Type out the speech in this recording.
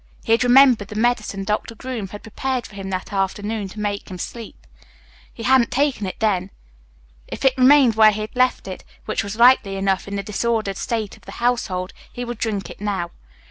He had remembered the medicine Doctor Groom had prepared for him that afternoon to make him sleep. He hadn't taken it then. If it remained where he had left it, which was likely enough in the disordered state of the household, he would drink it now.